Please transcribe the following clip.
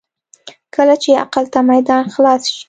کله چې عقل ته میدان خلاص شي.